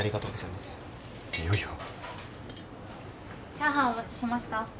チャーハンお持ちしました。